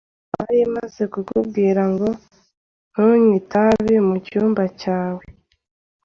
Nari maze kukubwira ngo ntunywe itabi mucyumba cyawe.